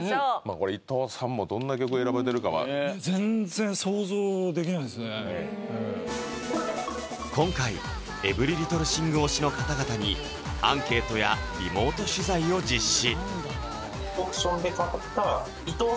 これ伊藤さんもどんな曲選ばれてるかは今回「ＥｖｅｒｙＬｉｔｔｌｅＴｈｉｎｇ」推しの方々にアンケートやリモート取材を実施